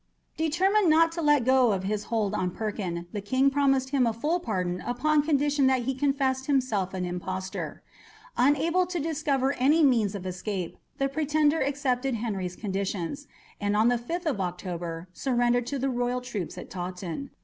Determined not to let go his hold on Perkin, the king promised him a full pardon upon condition that he confessed himself an impostor. Unable to discover any means of escape, the pretender accepted Henry's conditions, and on the 5th October surrendered to the royal troops at Taunton.